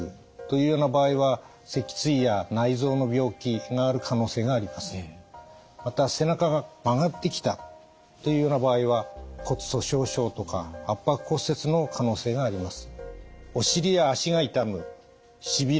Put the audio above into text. そのいくつかを説明しますと例えばまた背中が曲がってきたというような場合は骨粗しょう症とか圧迫骨折の可能性があります。